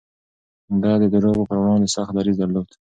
ده د دروغو پر وړاندې سخت دريځ درلود.